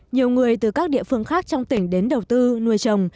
nhiều người từ các địa phương khác trong tỉnh đến đầu tư nuôi chồng